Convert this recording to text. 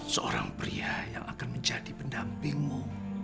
seorang pria yang akan menjadi pendampingmu